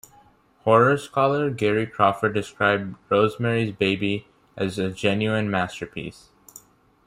Horror scholar Gary Crawford described "Rosemary's Baby" as "a genuine masterpiece".